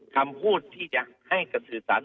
คำพูดที่จะให้กับสื่อสาร